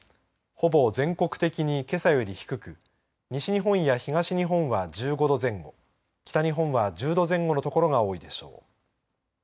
ほぼ全国的にけさより低く西日本や東日本は１５度前後北日本は１０度前後の所が多いでしょう。